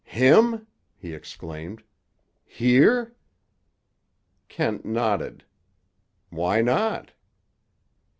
"Him?" he exclaimed. "Here?" Kent nodded. "Why not?"